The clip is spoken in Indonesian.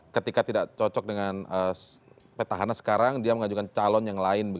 ketika tidak cocok dengan petahana sekarang dia mengajukan calon yang lain